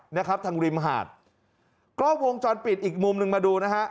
นะครับทางริมหาดกล้องวงจรปิดอีกมุมหนึ่งมาดูนะฮะ